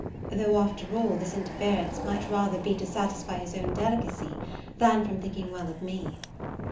Though, after all, this interference might rather be to satisfy his own delicacy, than from thinking well of me.